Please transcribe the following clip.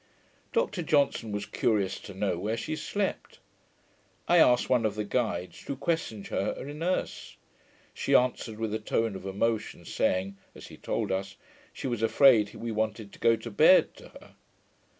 Dr Johnson was curious to know where she slept. I asked one of the guides, who questioned her in Erse. She answered with a tone of emotion, saying (as he told us) she was afraid we wanted to go to bed to her.